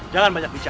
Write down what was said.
jangan banyak bicara